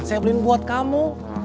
saya beliin buat kamu